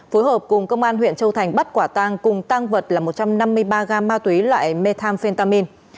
phối hợp cùng công an huyện châu thành bắt quả tăng cùng tăng vật là một trăm năm mươi ba gram ma túy loại methamphetamine